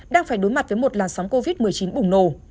đang phải đối mặt với một làn sóng covid một mươi chín bùng nổ